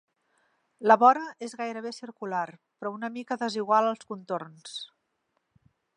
La vora és gairebé circular, però una mica desigual als contorns.